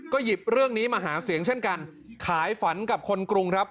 หยิบเรื่องนี้มาหาเสียงเช่นกันขายฝันกับคนกรุงครับ